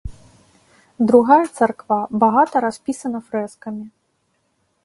Другая царква багата распісана фрэскамі.